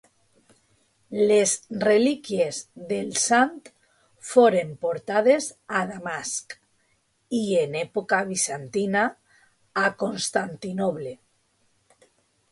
Les relíquies del sant foren portades a Damasc i, en època bizantina, a Constantinoble.